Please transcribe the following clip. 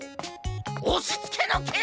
おしつけのけい！